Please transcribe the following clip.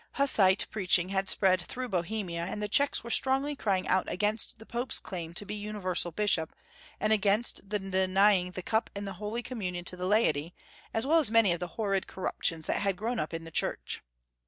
Hussite preaching had spread through Bohemia, and the Czechs were strongly crying out against the Pope's claim to be universal Bishop, and against the denying the Cup in the Holy Communion to the laity, as well as many of the horrid corruptions that had grown up in the Church.